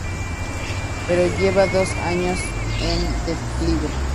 Pero lleva dos años en declive.